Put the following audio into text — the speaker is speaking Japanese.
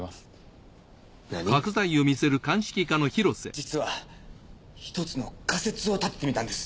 実はひとつの仮説を立ててみたんです。